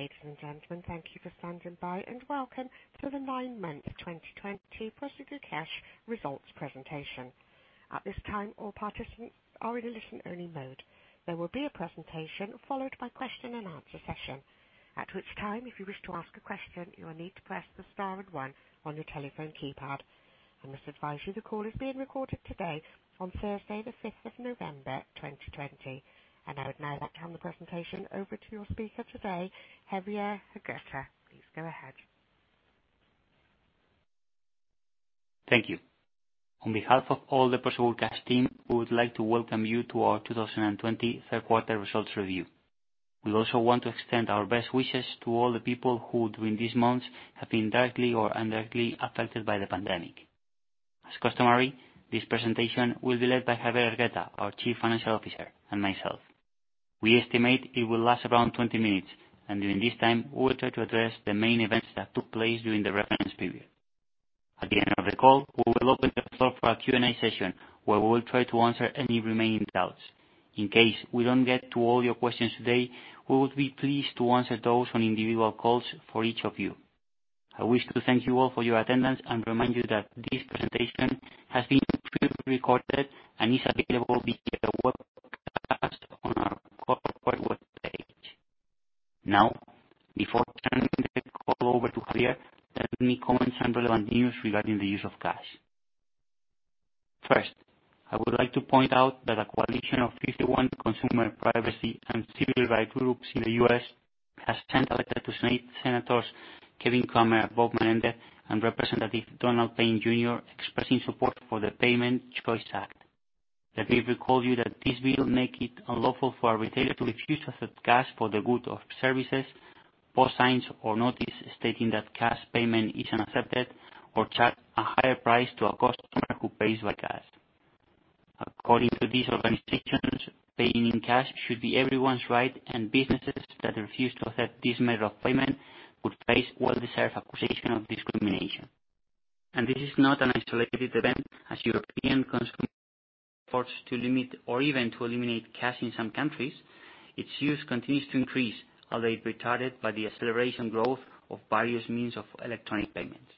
Ladies and gentlemen, thank you for standing by, and welcome to the nine months 2020 Prosegur Cash results presentation. At this time, all participants are in a listen-only mode. There will be a presentation, followed by a question-and-answer session. At this time, if you wish to ask a question, you will need to press the star and one on your telephone keypad. And I remind you, the call is being recorded today, on Thursday the 5th of November, 2020. I would now like to hand the presentation over to your speaker today, Javier Hergueta. Please go ahead. Thank you. On behalf of all the Prosegur Cash team, we would like to welcome you to our 2020 third quarter results review. We also want to extend our best wishes to all the people who, during these months, have been directly or indirectly affected by the pandemic. As customary, this presentation will be led by Javier Hergueta, our Chief Financial Officer, and myself. We estimate it will last around 20 minutes, and during this time, we will try to address the main events that took place during the reference period. At the end of the call, we will open the floor for a Q&A session where we will try to answer any remaining doubts. In case we don't get to all your questions today, we would be pleased to answer those on individual calls for each of you. I wish to thank you all for your attendance and remind you that this presentation has been pre-recorded and is available via the webcast on our corporate web page. Now, before turning the call over to Javier, let me comment some relevant news regarding the use of cash. First, I would like to point out that a coalition of 51 consumer privacy and civil rights groups in the U.S. has sent a letter to Senators Kevin Cramer, Bob Menendez, and Representative Donald Payne Jr., expressing support for the Payment Choice Act. Let me recall you that this bill will make it unlawful for a retailer to refuse to accept cash for the good of services, post signs or notices stating that cash payment is unacceptable, or charge a higher price to a customer who pays by cash. According to these organizations, paying in cash should be everyone's right, businesses that refuse to accept this method of payment would face well-deserved accusation of discrimination. This is not an isolated event, as European consumer efforts to limit or even to eliminate cash in some countries, its use continues to increase, although retarded by the acceleration growth of various means of electronic payment.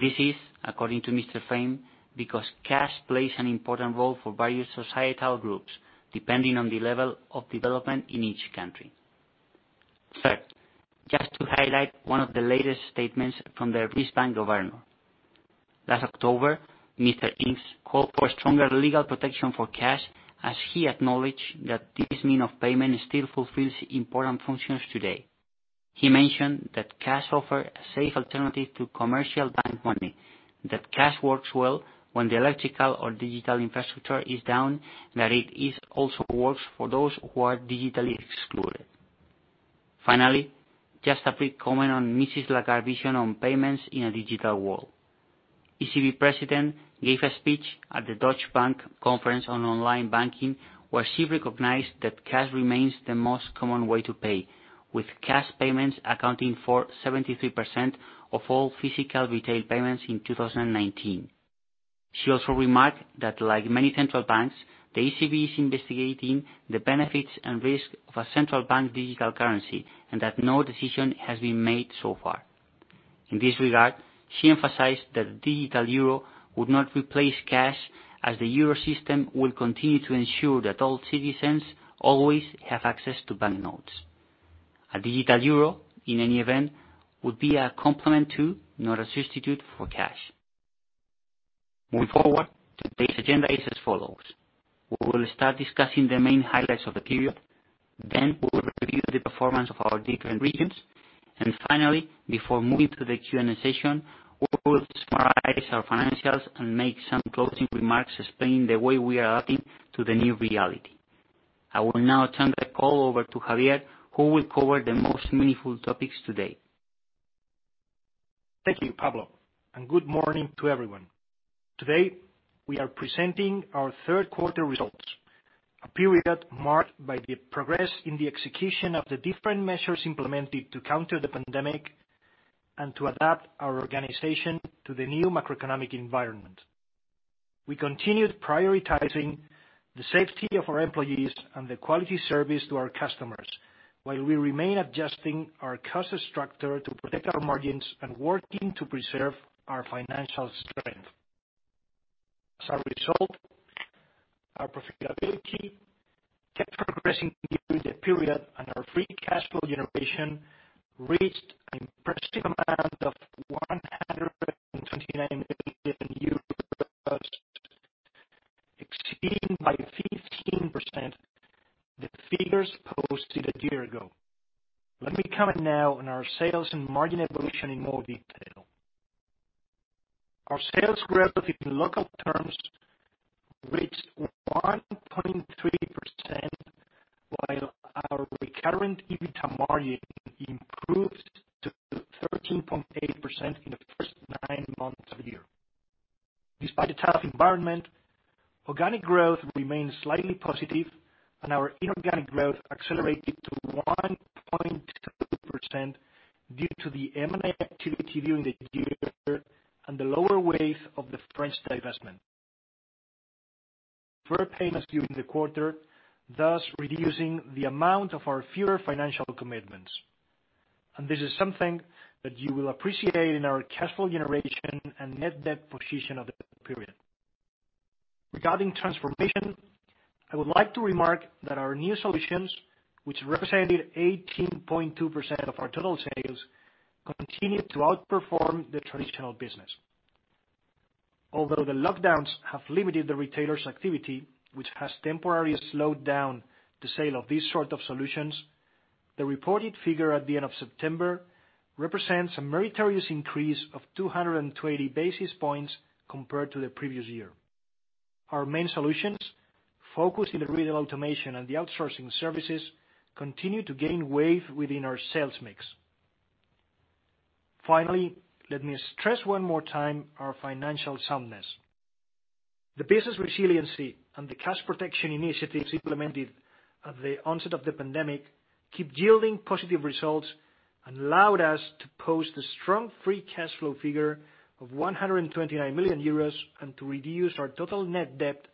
This is, according to Mr. Payne, because cash plays an important role for various societal groups, depending on the level of development in each country. Third, just to highlight one of the latest statements from the Bank of England governor. Last October, Mr. Payne called for stronger legal protection for cash as he acknowledged that this means of payment still fulfills important functions today. He mentioned that cash offer a safe alternative to commercial bank money, that cash works well when the electrical or digital infrastructure is down, and that it also works for those who are digitally excluded. Finally, just a brief comment on Mrs. Lagarde vision on payments in a digital world. ECB President gave a speech at the Deutsche Bank Conference on online banking, where she recognized that cash remains the most common way to pay, with cash payments accounting for 73% of all physical retail payments in 2019. She also remarked that like many central banks, the ECB is investigating the benefits and risk of a central bank digital currency, and that no decision has been made so far. In this regard, she emphasized that digital euro would not replace cash, as the Eurosystem will continue to ensure that all citizens always have access to banknotes. A digital euro, in any event, would be a complement to, not a substitute for, cash. Moving forward, today's agenda is as follows. We will start discussing the main highlights of the period, then we will review the performance of our different regions, and finally, before moving to the Q&A session, we will summarize our financials and make some closing remarks explaining the way we are adapting to the new reality. I will now turn the call over to Javier, who will cover the most meaningful topics today. Thank you, Pablo, and good morning to everyone. Today, we are presenting our third quarter results, a period marked by the progress in the execution of the different measures implemented to counter the pandemic and to adapt our organization to the new macroeconomic environment. We continued prioritizing the safety of our employees and the quality service to our customers, while we remain adjusting our cost structure to protect our margins and working to preserve our financial strength. As a result, our profitability kept progressing during the period, and our free cash flow generation reached an impressive amount of EUR 129 million, exceeding by 15% the figures posted a year ago. Let me comment now on our sales and margin evolution in more detail. Our sales growth in local terms reached 1.3%, while our recurrent EBITDA margin improved to 13.8% in the first nine months of the year. Despite a tough environment, organic growth remains slightly positive, and our inorganic growth accelerated to 1.2% due to the M&A activity during the year and the lower weight of the French divestment. For payments during the quarter, thus reducing the amount of our future financial commitments. This is something that you will appreciate in our cash flow generation and net debt position of the period. Regarding transformation, I would like to remark that our new solutions, which represented 18.2% of our total sales, continued to outperform the traditional business. Although the lockdowns have limited the retailers' activity, which has temporarily slowed down the sale of these sort of solutions, the reported figure at the end of September represents a meritorious increase of 220 basis points compared to the previous year. Our main solutions, focused in the retail automation and the outsourcing services, continue to gain weight within our sales mix. Finally, let me stress one more time our financial soundness. The business resiliency and the cash protection initiatives implemented at the onset of the pandemic keep yielding positive results and allowed us to post a strong Free Cash Flow figure of 129 million euros and to reduce our total net debt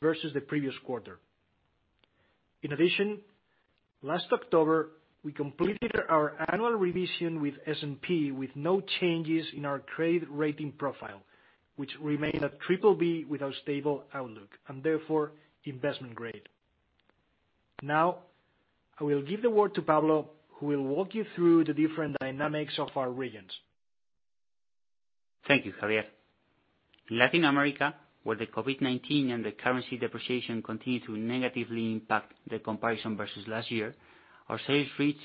versus the previous quarter. In addition, last October, we completed our annual revision with S&P with no changes in our trade rating profile, which remained at triple B with a stable outlook, and therefore, investment grade. Now, I will give the word to Pablo, who will walk you through the different dynamics of our regions. Thank you, Javier. Latin America, where the COVID-19 and the currency depreciation continued to negatively impact the comparison versus last year, our sales reached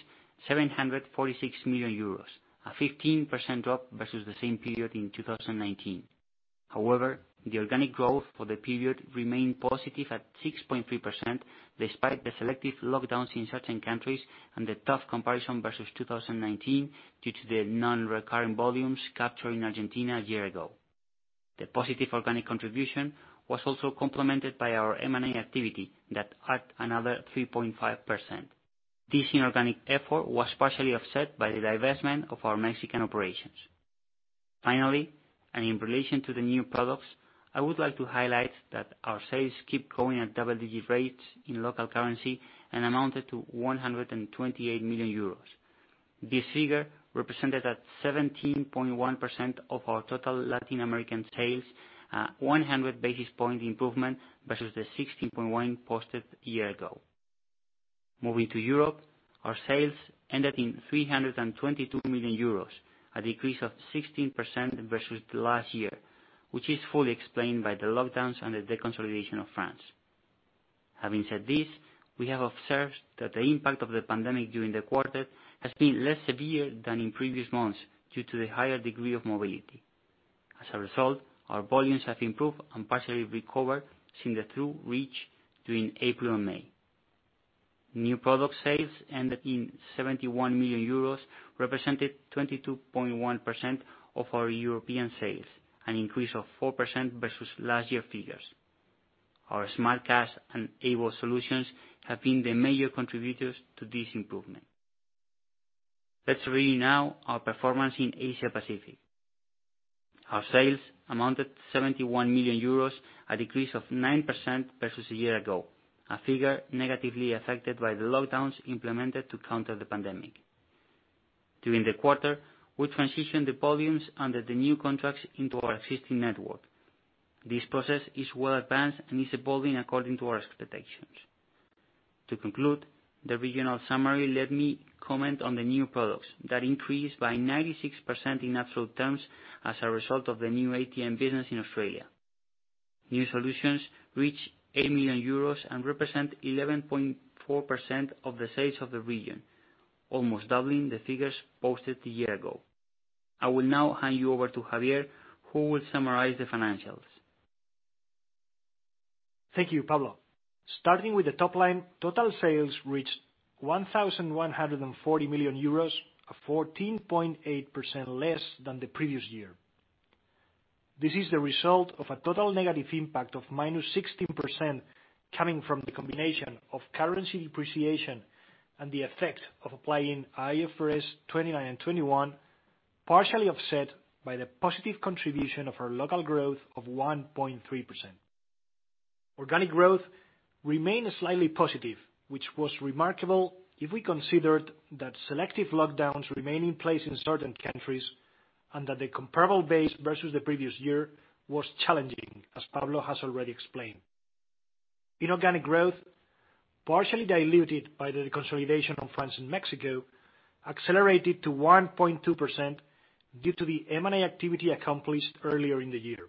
746 million euros, a 15% drop versus the same period in 2019. However, the organic growth for the period remained positive at 6.3%, despite the selective lockdowns in certain countries and the tough comparison versus 2019 due to the non-recurring volumes captured in Argentina a year ago. The positive organic contribution was also complemented by our M&A activity that add another 3.5%. This inorganic effort was partially offset by the divestment of our Mexican operations. Finally, and in relation to the new products, I would like to highlight that our sales keep growing at double-digit rates in local currency and amounted to 128 million euros. This figure represented at 17.1% of our total Latin American sales, a 100 basis point improvement versus the 16.1% posted a year ago. Moving to Europe, our sales ended in 322 million euros, a decrease of 16% versus the last year, which is fully explained by the lockdowns and the deconsolidation of France. Having said this, we have observed that the impact of the pandemic during the quarter has been less severe than in previous months due to the higher degree of mobility. As a result, our volumes have improved and partially recovered since the trough reached during April and May. New product sales ended in 71 million euros, representing 22.1% of our European sales, an increase of 4% versus last year figures. Our Smart Cash and AVOS solutions have been the major contributors to this improvement. Let's review now our performance in Asia Pacific. Our sales amounted 71 million euros, a decrease of 9% versus a year ago, a figure negatively affected by the lockdowns implemented to counter the pandemic. During the quarter, we transitioned the volumes under the new contracts into our existing network. This process is well advanced and is evolving according to our expectations. To conclude the regional summary, let me comment on the new products that increased by 96% in absolute terms as a result of the new ATM business in Australia. New solutions reached 8 million euros and represent 11.4% of the sales of the region, almost doubling the figures posted a year ago. I will now hand you over to Javier, who will summarize the financials. Thank you, Pablo. Starting with the top line, total sales reached 1,140 million euros, 14.8% less than the previous year. This is the result of a total negative impact of -16% coming from the combination of currency depreciation and the effect of applying IAS 29 and IAS 21, partially offset by the positive contribution of our local growth of 1.3%. Organic growth remained slightly positive, which was remarkable if we considered that selective lockdowns remain in place in certain countries, and that the comparable base versus the previous year was challenging, as Pablo has already explained. Inorganic growth, partially diluted by the deconsolidation of France and Mexico, accelerated to 1.2% due to the M&A activity accomplished earlier in the year.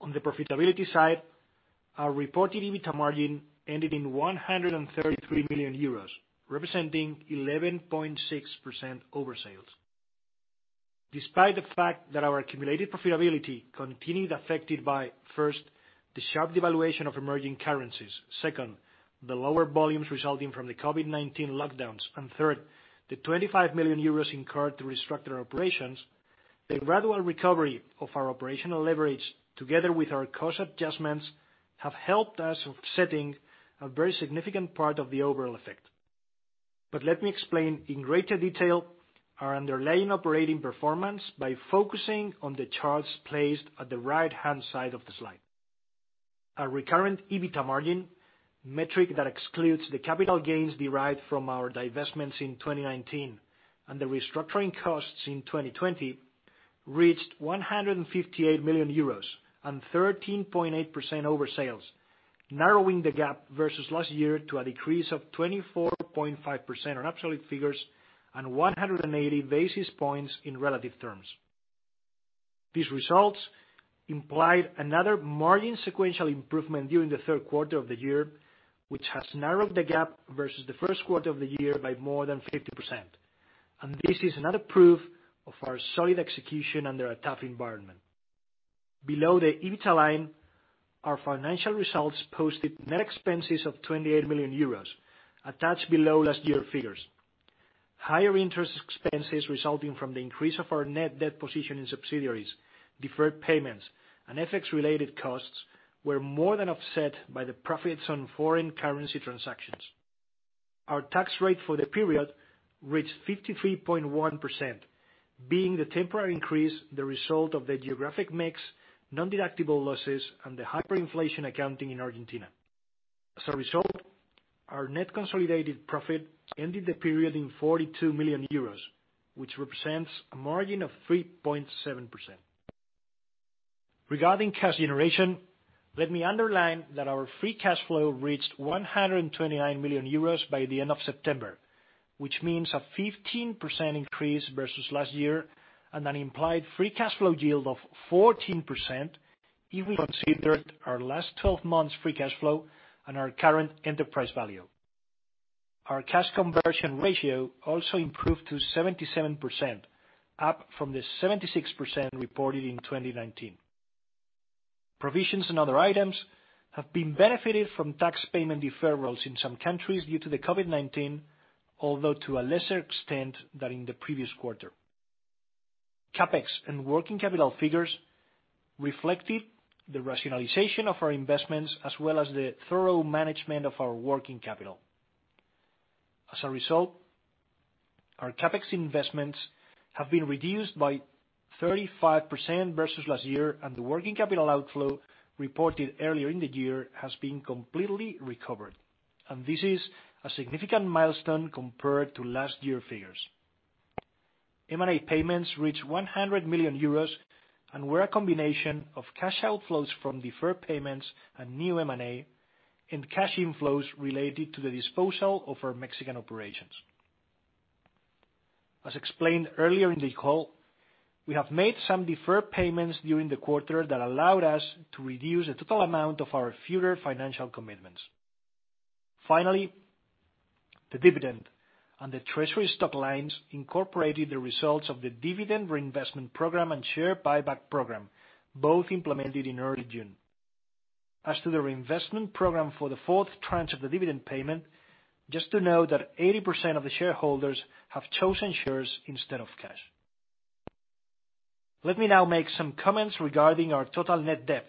On the profitability side, our reported EBITDA margin ended in 133 million euros, representing 11.6% over sales. Despite the fact that our accumulated profitability continued affected by, first, the sharp devaluation of emerging currencies, second, the lower volumes resulting from the COVID-19 lockdowns, and third, the 25 million euros incurred to restructure operations, the gradual recovery of our operational leverage together with our cost adjustments have helped us offsetting a very significant part of the overall effect. Let me explain in greater detail our underlying operating performance by focusing on the charts placed at the right-hand side of the slide. Our recurrent EBITDA margin, metric that excludes the capital gains derived from our divestments in 2019, and the restructuring costs in 2020, reached 158 million euros, and 13.8% over sales, narrowing the gap versus last year to a decrease of 24.5% on absolute figures, and 180 basis points in relative terms. These results implied another margin sequential improvement during the third quarter of the year, which has narrowed the gap versus the first quarter of the year by more than 50%. This is another proof of our solid execution under a tough environment. Below the EBITDA line, our financial results posted net expenses of 28 million euros, a touch below last year figures. Higher interest expenses resulting from the increase of our net debt position in subsidiaries, deferred payments, and FX related costs were more than offset by the profits on foreign currency transactions. Our tax rate for the period reached 53.1%, being the temporary increase the result of the geographic mix, non-deductible losses, and the hyperinflation accounting in Argentina. As a result, our net consolidated profit ended the period in 42 million euros, which represents a margin of 3.7%. Regarding cash generation, let me underline that our Free Cash Flow reached 129 million euros by the end of September, which means a 15% increase versus last year, and an implied Free Cash Flow yield of 14% if we considered our last 12 months Free Cash Flow and our current enterprise value. Our Cash Conversion Ratio also improved to 77%, up from the 76% reported in 2019. Provisions and other items have been benefited from tax payment deferrals in some countries due to the COVID-19, although to a lesser extent than in the previous quarter. CapEx and working capital figures reflected the rationalization of our investments, as well as the thorough management of our working capital. As a result, our CapEx investments have been reduced by 35% versus last year, and the working capital outflow reported earlier in the year has been completely recovered. This is a significant milestone compared to last year figures. M&A payments reached 100 million euros, and were a combination of cash outflows from deferred payments and new M&A, and cash inflows related to the disposal of our Mexican operations. As explained earlier in the call, we have made some deferred payments during the quarter that allowed us to reduce the total amount of our future financial commitments. The dividend and the treasury stock lines incorporated the results of the dividend reinvestment program and share buyback program, both implemented in early June. The reinvestment program for the fourth tranche of the dividend payment, just note that 80% of the shareholders have chosen shares instead of cash. Let me now make some comments regarding our total net debt,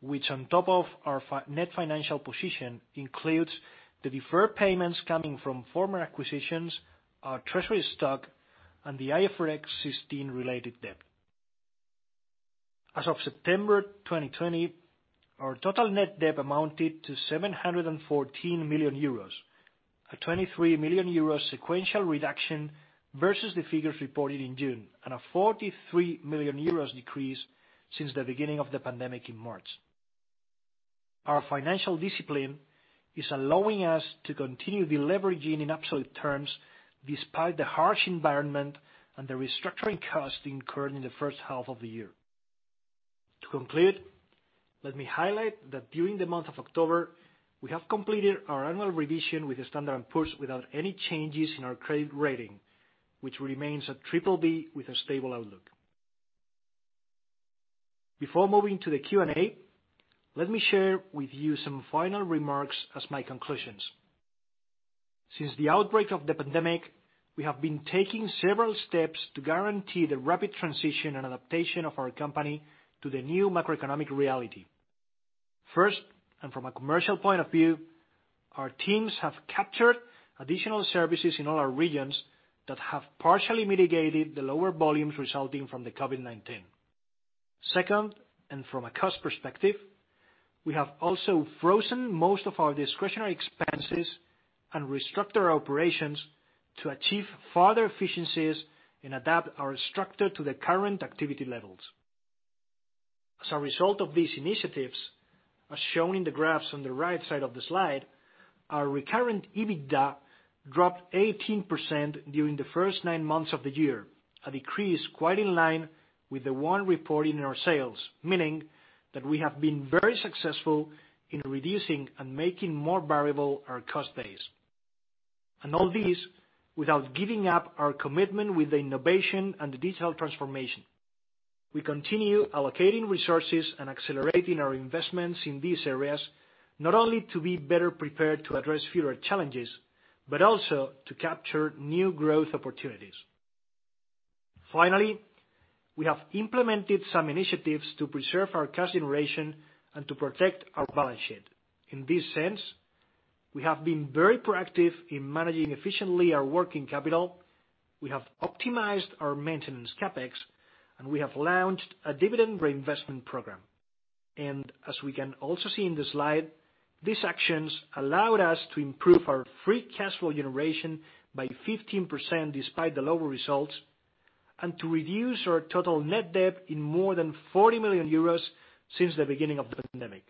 which on top of our net financial position, includes the deferred payments coming from former acquisitions, our treasury stock, and the IFRS 16 related debt. As of September 2020, our total net debt amounted to 714 million euros, a 23 million euros sequential reduction versus the figures reported in June, and a 43 million euros decrease since the beginning of the pandemic in March. Our financial discipline is allowing us to continue deleveraging in absolute terms, despite the harsh environment and the restructuring costs incurred in the first half of the year. To conclude, let me highlight that during the month of October, we have completed our annual revision with the Standard & Poor's without any changes in our credit rating, which remains a BBB with a stable outlook. Before moving to the Q&A, let me share with you some final remarks as my conclusions. Since the outbreak of the pandemic, we have been taking several steps to guarantee the rapid transition and adaptation of our company to the new macroeconomic reality. First, and from a commercial point of view, our teams have captured additional services in all our regions that have partially mitigated the lower volumes resulting from the COVID-19. Second, and from a cost perspective, we have also frozen most of our discretionary expenses and restructured our operations to achieve further efficiencies and adapt our structure to the current activity levels. As a result of these initiatives, as shown in the graphs on the right side of the slide, our recurrent EBITDA dropped 18% during the first nine months of the year, a decrease quite in line with the one reported in our sales, meaning that we have been very successful in reducing and making more variable our cost base. All this without giving up our commitment with the innovation and digital transformation. We continue allocating resources and accelerating our investments in these areas, not only to be better prepared to address future challenges, but also to capture new growth opportunities. Finally, we have implemented some initiatives to preserve our cash generation and to protect our balance sheet. In this sense, we have been very proactive in managing efficiently our working capital, we have optimized our maintenance CapEx, and we have launched a dividend reinvestment program. As we can also see in the slide, these actions allowed us to improve our Free Cash Flow generation by 15%, despite the lower results, and to reduce our total net debt in more than 40 million euros since the beginning of the pandemic.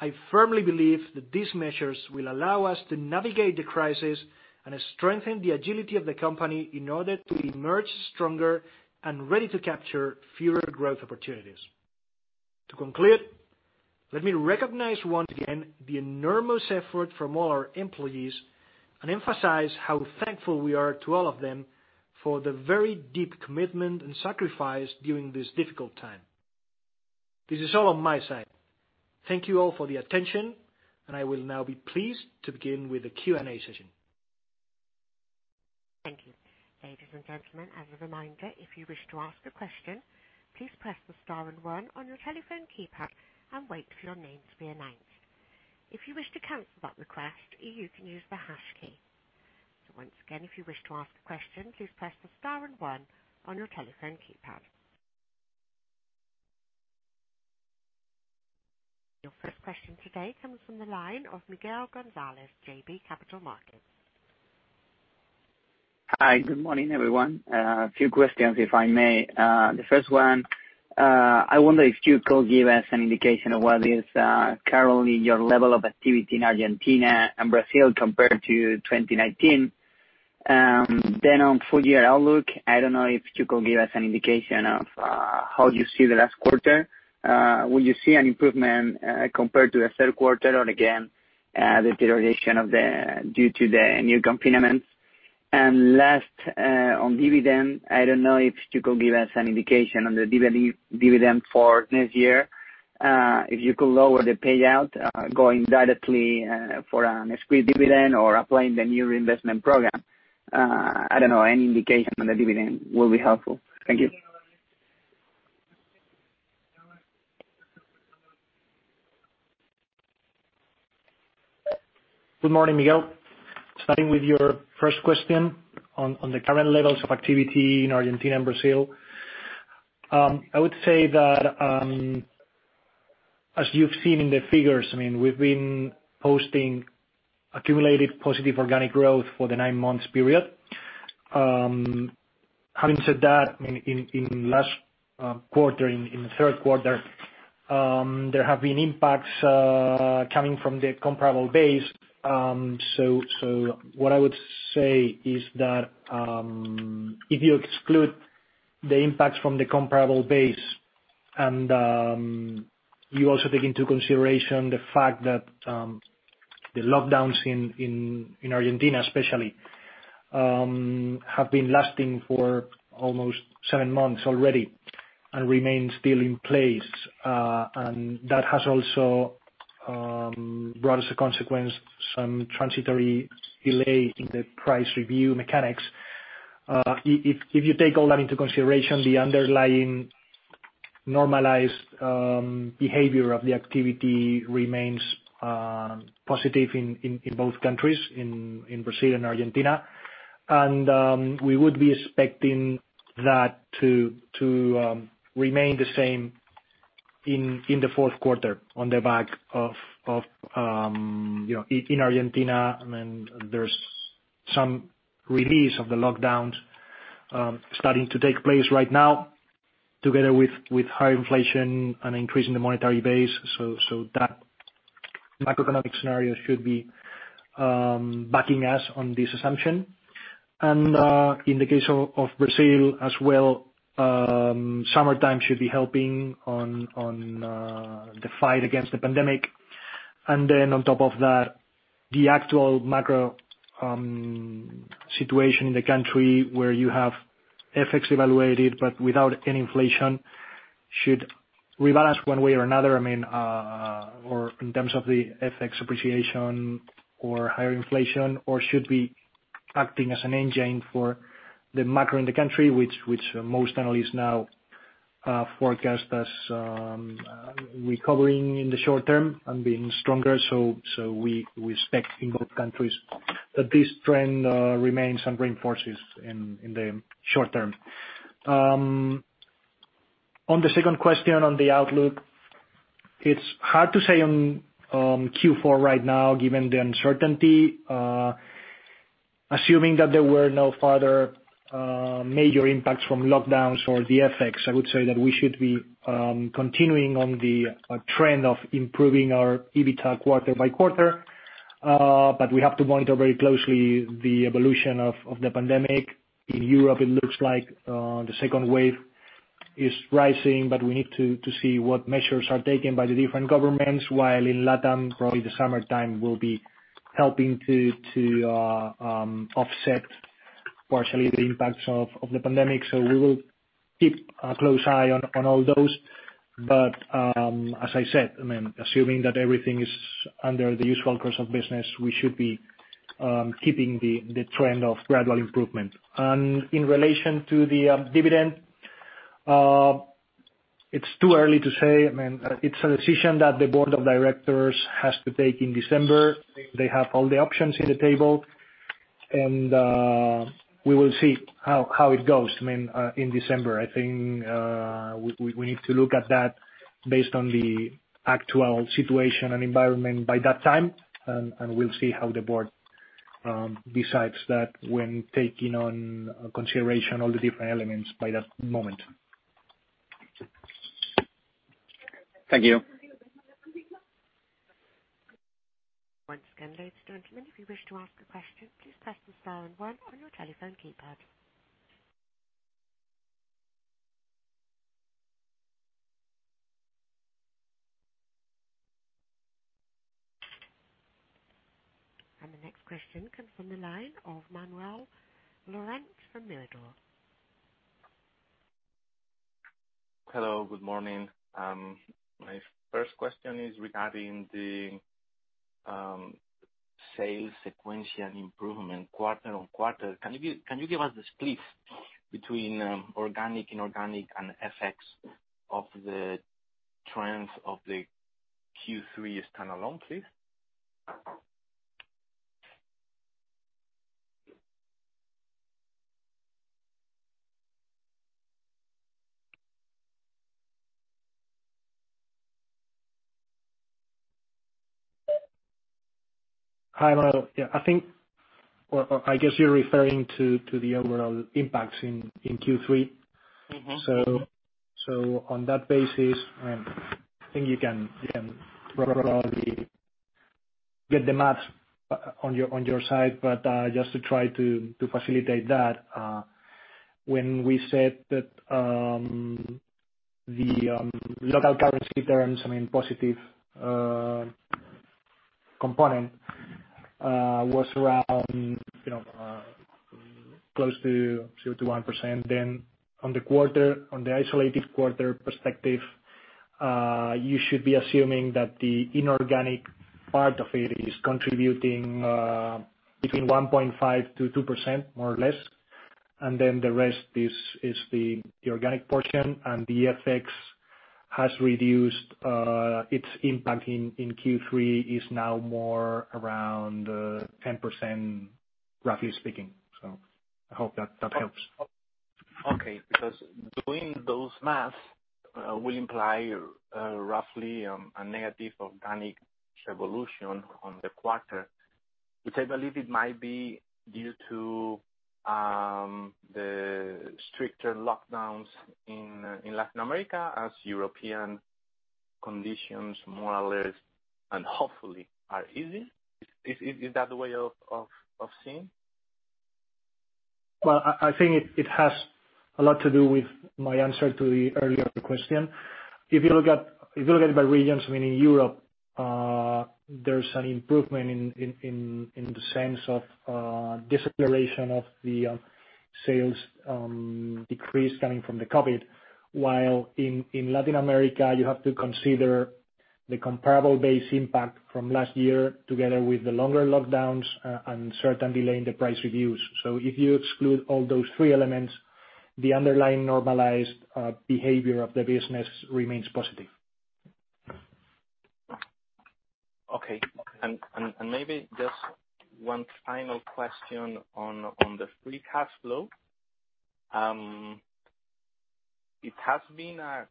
I firmly believe that these measures will allow us to navigate the crisis and strengthen the agility of the company in order to emerge stronger and ready to capture future growth opportunities. To conclude, let me recognize once again the enormous effort from all our employees and emphasize how thankful we are to all of them for their very deep commitment and sacrifice during this difficult time. This is all on my side. Thank you all for the attention, and I will now be pleased to begin with the Q&A session. Thank you. Ladies and gentlemen, as a reminder, if you wish to ask a question, please press the star and one on your telephone keypad and wait for your name to be announced. If you wish to cancel that request, you can use the hash key. Once again, if you wish to ask a question, please press the star and one on your telephone keypad. Your first question today comes from the line of Miguel González, JB Capital Markets. Hi. Good morning, everyone. A few questions, if I may. The first one, I wonder if you could give us an indication of what is currently your level of activity in Argentina and Brazil compared to 2019. On full year outlook, I don't know if you could give us an indication of how you see the last quarter. Will you see an improvement compared to the third quarter or again, the deterioration due to the new confinements? Last, on dividend, I don't know if you could give us an indication on the dividend for next year. If you could lower the payout, going directly for an scrip dividend or applying the new reinvestment program. I don't know, any indication on the dividend will be helpful. Thank you. Good morning, Miguel. Starting with your first question on the current levels of activity in Argentina and Brazil. I would say that, as you've seen in the figures, we've been posting accumulated positive organic growth for the nine months period. Having said that, in last quarter, in the third quarter, there have been impacts coming from the comparable base. What I would say is that, if you exclude the impacts from the comparable base and you also take into consideration the fact that the lockdowns in Argentina especially, have been lasting for almost seven months already and remain still in place. That has also brought as a consequence some transitory delay in the price review mechanics. If you take all that into consideration, the underlying normalized behavior of the activity remains positive in both countries, in Brazil and Argentina. We would be expecting that to remain the same in the fourth quarter on the back of, in Argentina, there's some release of the lockdowns starting to take place right now, together with higher inflation and increase in the monetary base. That macroeconomic scenario should be backing us on this assumption. In the case of Brazil as well, summertime should be helping on the fight against the pandemic. On top of that, the actual macro situation in the country where you have FX evaluated, but without any inflation, should rebalance one way or another, in terms of the FX appreciation or higher inflation, or should be acting as an engine for the macro in the country, which most analysts now forecast as recovering in the short term and being stronger. We expect in both countries that this trend remains and reinforces in the short term. On the second question on the outlook, it's hard to say on Q4 right now, given the uncertainty. Assuming that there were no further major impacts from lockdowns or the FX, I would say that we should be continuing on the trend of improving our EBITDA quarter by quarter. We have to monitor very closely the evolution of the pandemic. In Europe, it looks like the second wave is rising, but we need to see what measures are taken by the different governments, while in LATAM, probably the summertime will be helping to offset partially the impacts of the pandemic. Keep a close eye on all those. As I said, assuming that everything is under the usual course of business, we should be keeping the trend of gradual improvement. In relation to the dividend, it's too early to say. It's a decision that the board of directors has to take in December. They have all the options on the table, and we will see how it goes in December. I think we need to look at that based on the actual situation and environment by that time, and we'll see how the board decides that when taking into consideration all the different elements by that moment. Thank you. Once again, ladies and gentlemen, if you wish to ask a question, please press the star and one on your telephone keypad. The next question comes from the line of Manuel Lorente from Mirabaud. Hello, good morning. My first question is regarding the sales sequential improvement quarter-on-quarter. Can you give us the split between organic, inorganic, and FX of the trends of the Q3 standalone, please? Hi, Manuel. I guess you're referring to the overall impacts in Q3. On that basis, I think you can probably get the maths on your side. Just to try to facilitate that, when we said that the local currency terms, positive component was around close to 1%, then on the isolated quarter perspective, you should be assuming that the inorganic part of it is contributing between 1.5%-2%, more or less. The rest is the organic portion, and the FX has reduced its impact in Q3, is now more around 10%, roughly speaking. I hope that helps. Okay. Doing those maths will imply roughly a negative organic evolution on the quarter, which I believe it might be due to the stricter lockdowns in Latin America as European conditions more or less, and hopefully, are easing. Is that the way of seeing? Well, I think it has a lot to do with my answer to the earlier question. If you look at it by regions, meaning Europe, there's an improvement in the sense of deceleration of the sales decrease coming from the COVID. While in Latin America, you have to consider the comparable base impact from last year, together with the longer lockdowns and certain delay in the price reviews. If you exclude all those three elements, the underlying normalized behavior of the business remains positive. Okay. Maybe just one final question on the Free Cash Flow. It has been a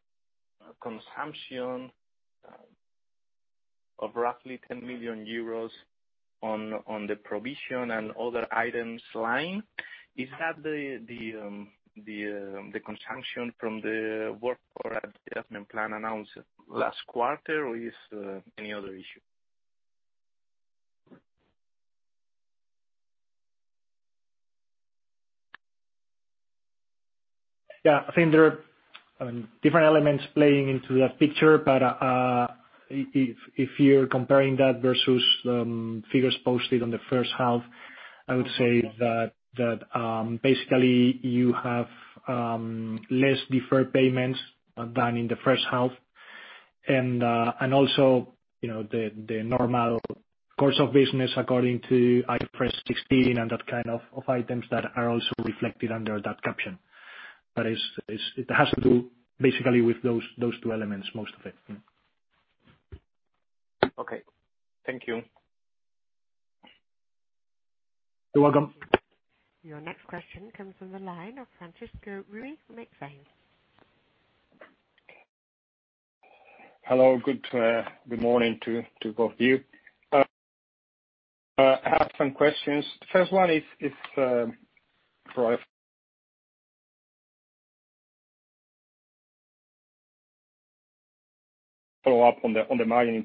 consumption of roughly 10 million euros on the provision and other items line. Is that the consumption from the work or development plan announced last quarter? Is any other issue? Yeah. I think there are different elements playing into that picture. If you're comparing that versus figures posted on the first half, I would say that basically you have less deferred payments than in the first half. Also, the normal course of business, according to IFRS 16 and that kind of items that are also reflected under that caption. It has to do basically with those two elements, most of it. Okay. Thank you. You're welcome. Your next question comes from the line of Francisco Riquel from Alantra. Hello. Good morning to both of you. I have some questions. First one is for follow up on the margin,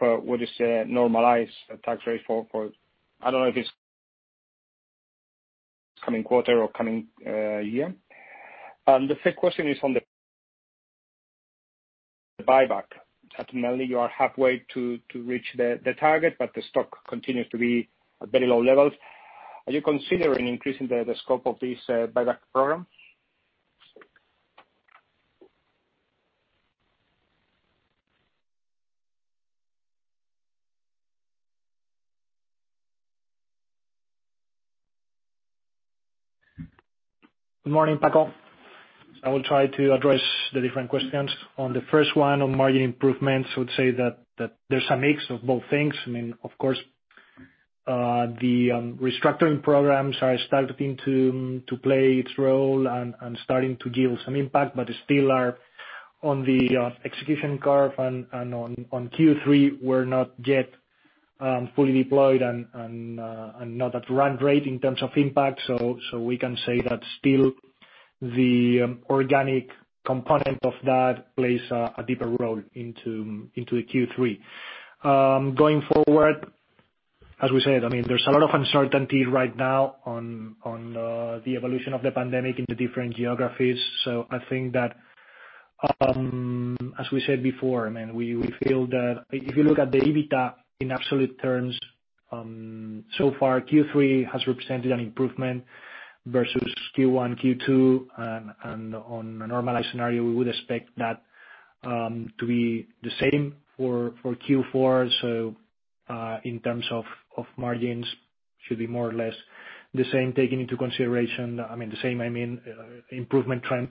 what is the normalized tax rate for, I don't know if it's coming quarter or coming year. The third question is on the buyback. At the moment you are halfway to reach the target, but the stock continues to be at very low levels. Are you considering increasing the scope of this buyback program? Good morning, Paco. I will try to address the different questions. On the first one, on margin improvements, I would say that there's a mix of both things. Of course, the restructuring programs are starting to play its role and starting to give some impact, but still are on the execution curve and on Q3, we're not yet fully deployed and not at run rate in terms of impact. We can say that still the organic component of that plays a deeper role into Q3. Going forward, as we said, there's a lot of uncertainty right now on the evolution of the pandemic in the different geographies. I think that, as we said before, we feel that if you look at the EBITDA in absolute terms, Q3 has represented an improvement versus Q1, Q2, and on a normalized scenario, we would expect that to be the same for Q4. In terms of margins, should be more or less the same, taking into consideration the improvement trend,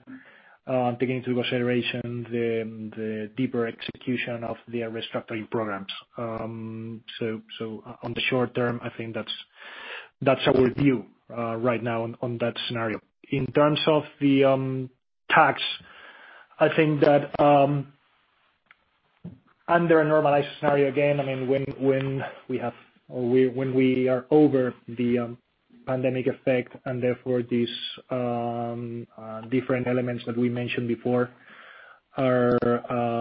taking into consideration the deeper execution of the restructuring programs. On the short term, I think that's our view right now on that scenario. In terms of the tax, I think that under a normalized scenario, again, when we are over the pandemic effect and therefore these different elements that we mentioned before are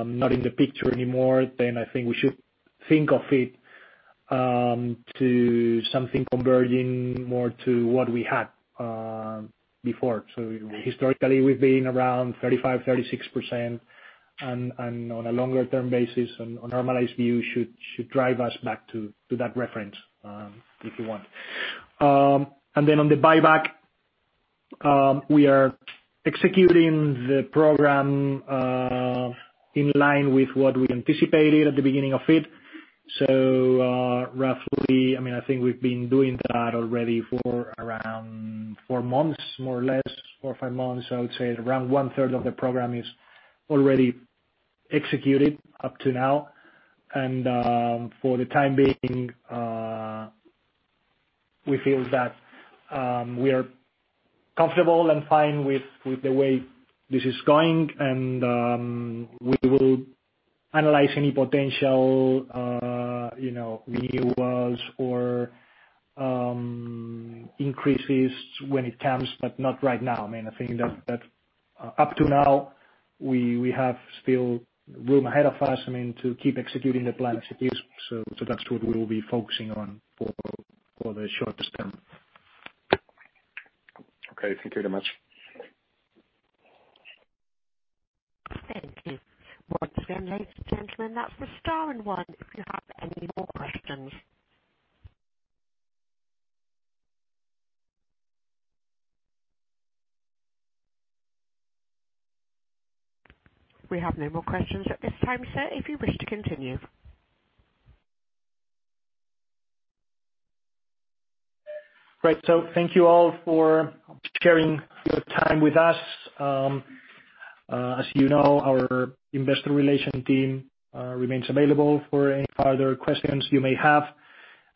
not in the picture anymore, I think we should think of it to something converging more to what we had before. Historically we've been around 35, 36% and on a longer term basis on a normalized view should drive us back to that reference, if you want. Then on the buyback, we are executing the program in line with what we anticipated at the beginning of it. Roughly, I think we've been doing that already for around four months, more or less, four or five months. I would say around one third of the program is already executed up to now. For the time being, we feel that we are comfortable and fine with the way this is going and we will analyze any potential renewals or increases when it comes, but not right now. I think that up to now, we have still room ahead of us to keep executing the plan as it is. That's what we will be focusing on for the short term. Okay. Thank you very much. Thank you. Once again, ladies and gentlemen, that's the star and one if you have any more questions. We have no more questions at this time, sir, if you wish to continue. Great. Thank you all for sharing your time with us. As you know, our investor relation team remains available for any further questions you may have.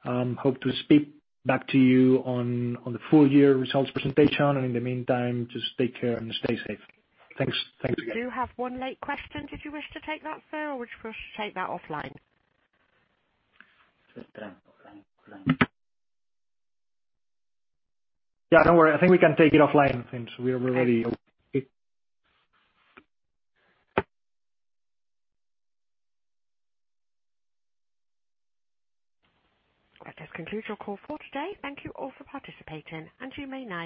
Hope to speak back to you on the full year results presentation and in the meantime, just take care and stay safe. Thanks again. We do have one late question. Did you wish to take that, sir? Would you wish to take that offline? Yeah, don't worry. I think we can take it offline since we are already- Okay. That does conclude your call for today. Thank you all for participating, and you may now disconnect.